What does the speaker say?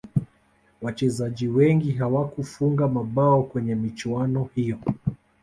wachezaji wengi hawakufunga mabao kwenye michuano hiyo